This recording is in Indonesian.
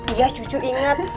iya kyu inget